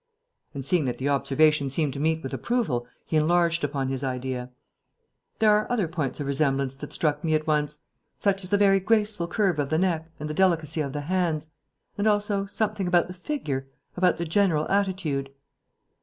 And seeing that the observation seemed to meet with approval, he enlarged upon his idea: "There are other points of resemblance that struck me at once, such as the very graceful curve of the neck and the delicacy of the hands ... and also something about the figure, about the general attitude...."